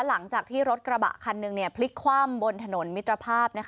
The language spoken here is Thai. หลังจากที่รถกระบะคันหนึ่งพลิกคว่ำบนถนนมิตรภาพ